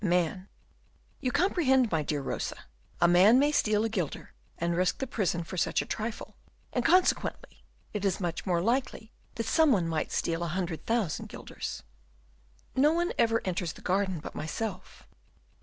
"Man. You comprehend, my dear Rosa, a man may steal a guilder, and risk the prison for such a trifle, and, consequently, it is much more likely that some one might steal a hundred thousand guilders." "No one ever enters the garden but myself."